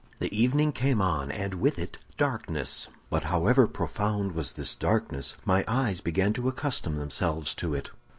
"The evening came on, and with it darkness; but however profound was this darkness, my eyes began to accustom themselves to it.